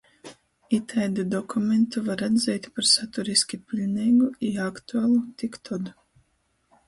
Itaidu dokumentu var atzeit par saturiski piļneigu i aktualu tik tod,